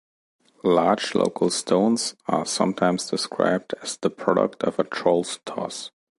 Large local stones are sometimes described as the product of a troll's toss.